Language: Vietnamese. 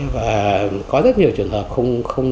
và có rất nhiều trường hợp